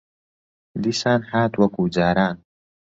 دیسان هات وەکوو جاران